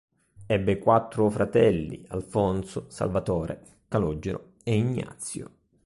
Ebbe quattro fratelli:Alfonso, Salvatore, Calogero, e Ignazio.